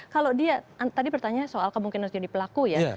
kalau dia tadi pertanyaannya soal kemungkinan menjadi pelaku ya